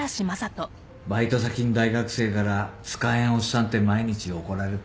バイト先ん大学生から使えんおっさんって毎日怒られとる。